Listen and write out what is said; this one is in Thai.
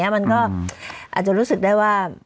มันก็อาจจะรู้สึกได้ว่า